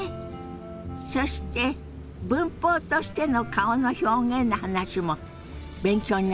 そして文法としての顔の表現の話も勉強になったでしょ？